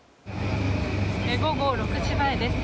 午後６時前です。